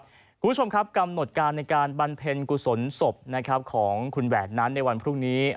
คุณผู้ชมครับกำหนดการในการบำเพ็ญกุศลศพนะครับของคุณแหวนนั้นในวันพรุ่งนี้